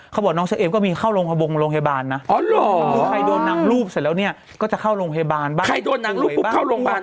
เขาบอกน้องเชอร์เอมก็มีเข้าโรงพยาบาลนะเพราะถ้าเกิดขึ้นภักดีกว่านึกจะบอกน้องเชอร์เอม